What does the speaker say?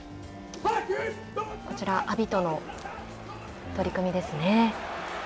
こちら阿炎との取組ですね。